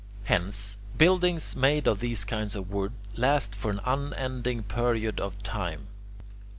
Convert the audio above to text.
Hence, buildings made of these kinds of wood last for an unending period of time.